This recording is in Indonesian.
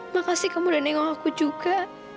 makasih kamu udah nengok aku juga